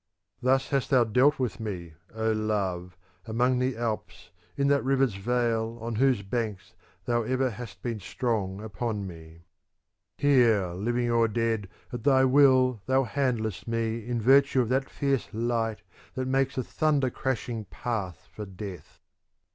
Thus hast thou dealt with me, C) Love, amongst the alps, in that river's vale on whose banks thou ever hast been strong upon me. 1 The bolt. 2 My face. XV. THE MOUNTAIN ODE 419 Here living or dead at thy will thou handiest me in virtue of that fierce light that makes a thunder crash ing path for death.